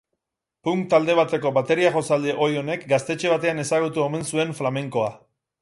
Punk talde bateko bateria-jotzaille ohi honek gaztetxe batean ezagutu omen zuen flamenkoa.